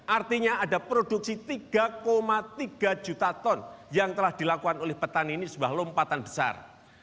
artinya ada produksi tiga tiga juta ton yang telah dilakukan oleh petani ini sebuah lompatan besar